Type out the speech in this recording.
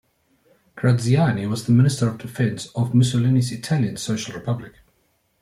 Graziani was the Minister of Defence for Mussolini's Italian Social Republic.